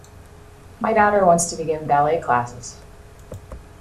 My daughter wants to begin ballet classes.